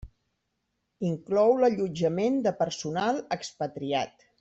Inclou l'allotjament de personal expatriat.